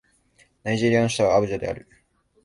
ナイジェリアの首都はアブジャである